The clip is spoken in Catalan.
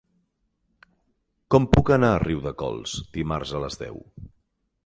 Com puc anar a Riudecols dimarts a les deu?